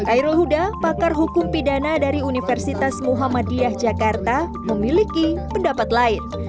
khairul huda pakar hukum pidana dari universitas muhammadiyah jakarta memiliki pendapat lain